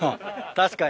確かに。